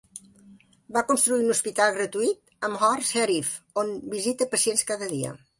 Va construir un hospital gratuït a Mohra Sharif, on visita pacients cada dia.